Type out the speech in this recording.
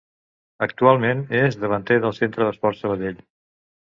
Actualment és davanter del Centre d'Esports Sabadell.